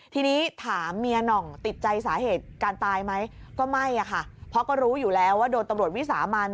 ทีนี้ถามเมียหน่องติดใจสาเหตุการตายไหมก็ไม่ค่ะเพราะก็รู้อยู่แล้วว่าโดนตำรวจวิสามัน